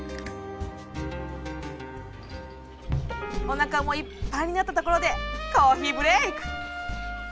おなかもいっぱいになったところでコーヒーブレーク。